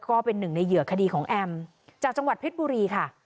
ก็เป็นหนึ่งในเหยื่อคดีของแอมจากจังหวัดเพชรบุรีค่ะ